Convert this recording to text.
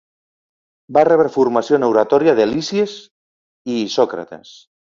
Va rebre formació en oratòria de Lísies i Isòcrates.